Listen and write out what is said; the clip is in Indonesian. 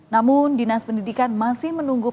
namun dinas pendidikan yang dilakukan oleh kepala sekolah ini